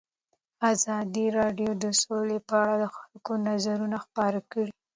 ازادي راډیو د سوله په اړه د خلکو نظرونه خپاره کړي.